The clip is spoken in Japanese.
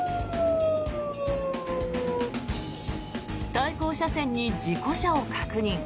対向車線に事故車を確認。